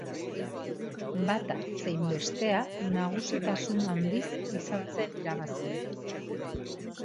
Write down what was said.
Bata zein bestea nagusitasun handiz izan zen irabazlea.